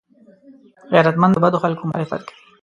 غیرتمند د بدو خلکو مخالفت کوي